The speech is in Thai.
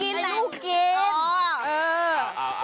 เออให้ลูกกินแหละ